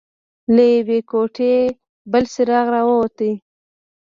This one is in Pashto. له يوې کوټې بل څراغ راووت.